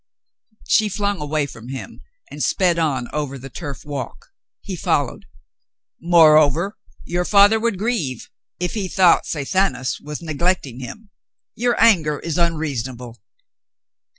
She flung away from him and sped on over the turf walk. He followed. "Moreover, your father would grieve if he thought Sathanas was neglecting him. Your anger is unreasonable."